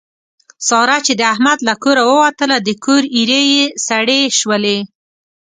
ساره چې د احمد له کوره ووتله د کور ایرې یې سړې شولې.